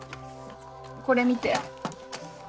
これ見て。